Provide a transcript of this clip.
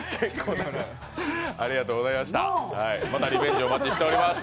またリベンジお待ちしています。